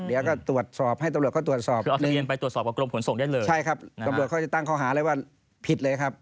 เดี๋ยวก็ตรวจสอบให้ตำรวจเขาตรวจสอบ